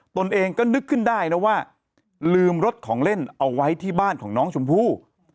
ตนเองก็นึกขึ้นได้แล้วว่าลืมรถของเล่นเอาไว้ที่บ้านของน้องชมพู่